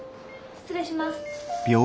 ・失礼します。